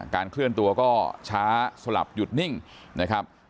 เคลื่อนตัวก็ช้าสลับหยุดนิ่งนะครับ